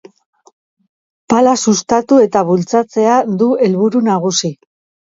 Pala sustatu eta bultzatzea du helburu nagusi.